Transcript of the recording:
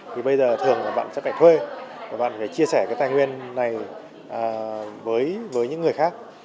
thì bây giờ thường là bạn sẽ phải thuê và bạn phải chia sẻ cái tài nguyên này với những người khác